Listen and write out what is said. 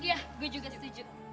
iya gue juga setuju